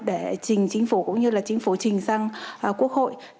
để chính phủ cũng như chính phủ trình sang quốc hội